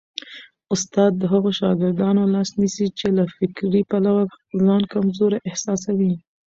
استاد د هغو شاګردانو لاس نیسي چي له فکري پلوه ځان کمزوري احساسوي.